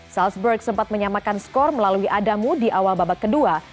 salzburg sempat menyamakan skor melalui adamu di awal babak kedua